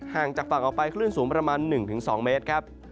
ห่างจากฝั่งออกไปคลื่นสูงประมาณ๑๒เมตรครับ